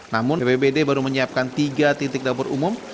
namun bpbd baru menyiapkan tiga titik dapur umum